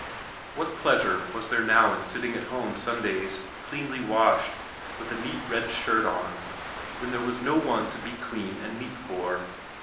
What pleasure was there now in sitting at home Sundays, cleanly washed, with a neat red shirt on, when there was no one to be clean and neat for!